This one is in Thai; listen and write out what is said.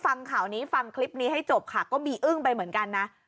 ฟังข่าวนี้ฟังคลิปนี้ให้จบค่ะก็มีอึ้งไปเหมือนกันนะ